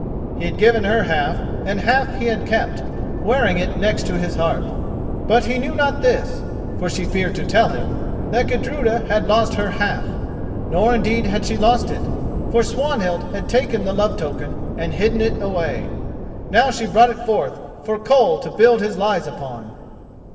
He had given her half, and half he had kept, wearing it next his heart. But he knew not this, for she feared to tell him, that Gudruda had lost her half. Nor indeed had she lost it, for Swanhild had taken the love token and hidden it away. Now she brought it forth for Koll to build his lies upon.